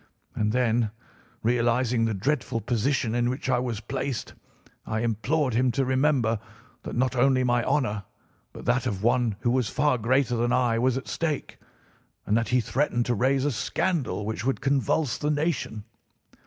And then, realising the dreadful position in which I was placed, I implored him to remember that not only my honour but that of one who was far greater than I was at stake; and that he threatened to raise a scandal which would convulse the nation.